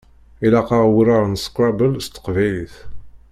Ilaq-aɣ wurar n scrabble s teqbaylit.